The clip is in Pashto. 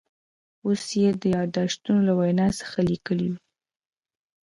اوس یې د یاداشتونو له وینا څخه لیکلي و.